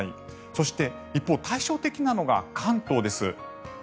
そして一方、対照的なのが関東です。